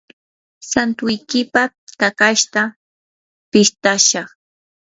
santuykipaq kakashta pistashaq.